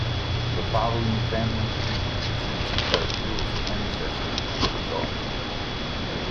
The following family tree presents Vazul's ancestry and his offspring.